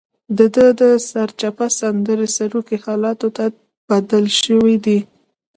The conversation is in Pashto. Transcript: دده د سرچپه سندرې سروکي حالاتو ته بدل شوي دي.